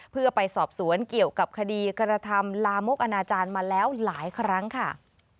เพื่อไปสอบสวนเกี่ยวกับคดีกระทำลามกอนาจารย์มาแล้วหลายครั้งค่ะ